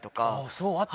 そう、あった？